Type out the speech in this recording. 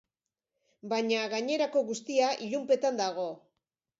Baina gainerako guztia ilunpetan dago.